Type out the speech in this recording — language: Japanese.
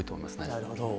なるほど。